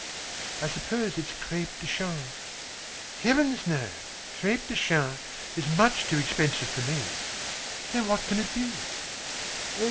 "I suppose it is crêpe de Chine?" "Heavens, no! Crêpe de Chine is much too expensive for me." "Then what can it be?"